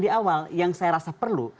di awal yang saya rasa perlu